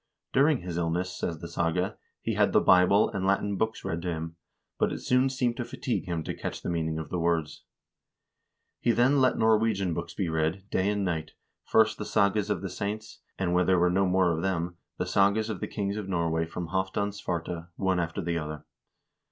"During his illness," says the saga, "he had the Bible and Latin books read to him ; but it soon seemed to fatigue him to catch the meaning of the words. He then let Norwegian books be read, day and night, first the sagas of the saints, and when there were no more of them, the sagas of the kings of Norway from Halvdan Svarte, one after the other."